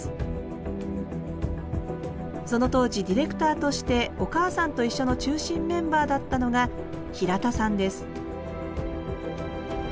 その当時ディレクターとして「おかあさんといっしょ」の中心メンバーだったのが平田さんです